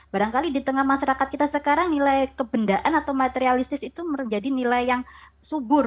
barangkali di tengah masyarakat kita sekarang nilai kebendaan atau materialistis itu menjadi nilai yang subur